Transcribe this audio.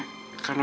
pernah makasih ya